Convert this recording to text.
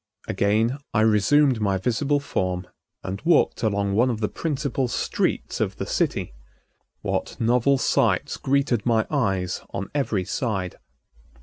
Again I resumed my visible form and walked along one of the principal streets of the city. What novel sights greeted my eyes on every side!